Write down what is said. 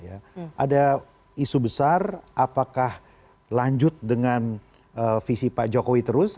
ada isu besar apakah lanjut dengan visi pak jokowi terus